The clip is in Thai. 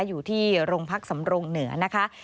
อยู่ที่โรงพักสำรงเหนือนะคะ